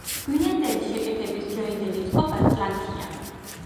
გვიანდელი შეკეთების დროინდელი წყობა ტლანქია.